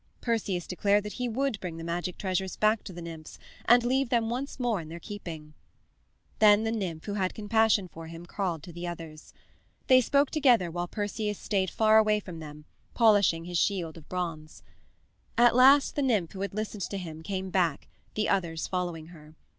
Perseus declared that he would bring the magic treasures back to the nymphs and leave them once more in their keeping. Then the nymph who had compassion for him called to the others. They spoke together while Perseus stayed far away from them, polishing his shield of bronze. At last the nymph who had listened to him came back, the others following her.